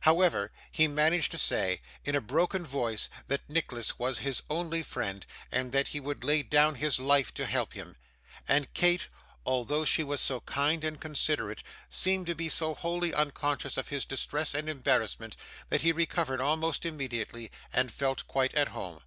However, he managed to say, in a broken voice, that Nicholas was his only friend, and that he would lay down his life to help him; and Kate, although she was so kind and considerate, seemed to be so wholly unconscious of his distress and embarrassment, that he recovered almost immediately and felt quite at home.